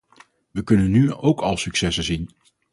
We kunnen nu ook al successen zien.